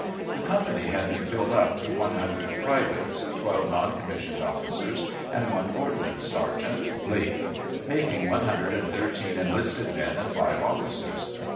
The company had been filled up to one hundred privates, twelve non commissioned officers, and one ordnance sergeant (Layton), making one hundred and thirteen enlisted men and five officers.